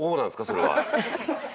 それは。